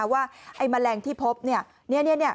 ว่าไอ้แมลงที่พบเนี่ย